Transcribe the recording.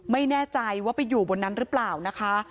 ไม่แน่ใจว่าไปอยู่บนนั้นหรือเปล่านะคะ